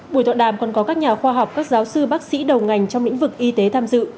buổi tọa đàm còn có các nhà khoa học các giáo sư bác sĩ đầu ngành trong lĩnh vực y tế tham dự